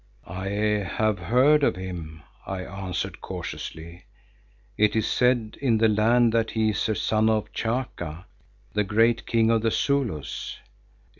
"I have heard of him," I answered cautiously. "It is said in the land that he is a son of Chaka, the great king of the Zulus."